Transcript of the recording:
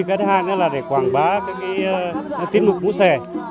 cái thứ hai nữa là để quảng bá các cái tiết mục mũ xòe